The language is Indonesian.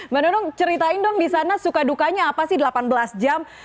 mbak nunung ceritain dong di sana suka dukanya apa sih delapan belas jam